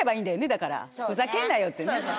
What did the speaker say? だからふざけんなよってね。